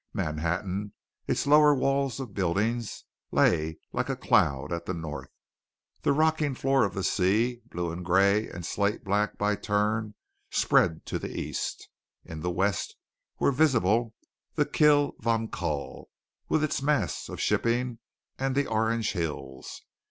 Manhattan, its lower wall of buildings, lay like a cloud at the north. The rocking floor of the sea, blue and gray and slate black by turn, spread to the east. In the west were visible the Kill von Kull with its mass of shipping and the Orange Hills.